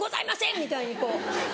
みたいにこう。